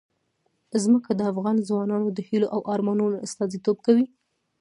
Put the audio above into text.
ځمکه د افغان ځوانانو د هیلو او ارمانونو استازیتوب کوي.